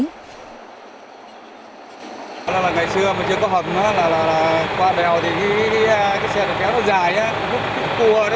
ngày xưa mà chưa có hầm là qua đèo thì cái xe kéo nó dài